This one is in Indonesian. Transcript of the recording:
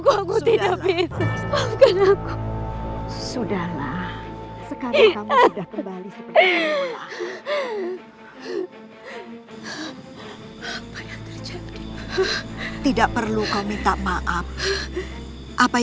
atau kalian berdua akan mati